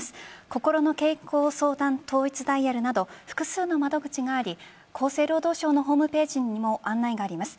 こころの健康相談統一ダイヤルなど複数の窓口があり厚生労働省のホームページにも案内があります。